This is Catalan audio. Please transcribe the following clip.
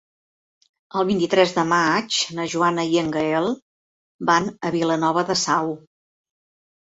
El vint-i-tres de maig na Joana i en Gaël van a Vilanova de Sau.